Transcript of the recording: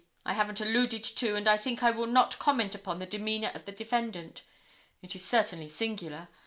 I haven't alluded to and I think I will not comment upon the demeanor of the defendant. It is certainly singular.